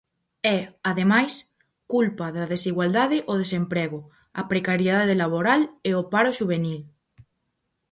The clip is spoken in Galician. E, ademais, culpa da desigualdade o desemprego, a precariedade laboral e o paro xuvenil.